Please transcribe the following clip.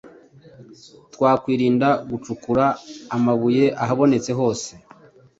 twakwirinda gucukura amabuye ahabonetse hose